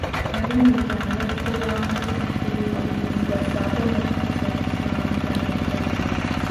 Emirimu gyabwe bakikolera wakati mu kutulugunyizibwa ssaako n'okutiisibwatiisibwa abantu ab'enjawulo.